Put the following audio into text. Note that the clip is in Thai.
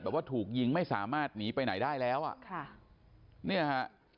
ว่าถูกยิงไม่สามารถหนีไปไหนได้แล้วอ่ะค่ะเนี่ยฮะ